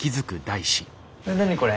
何これ？